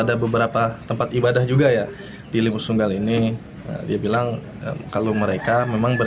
ada beberapa tempat ibadah juga ya di limus tunggal ini dia bilang kalau mereka memang